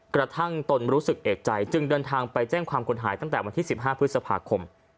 ตนรู้สึกเอกใจจึงเดินทางไปแจ้งความคนหายตั้งแต่วันที่๑๕พฤษภาคม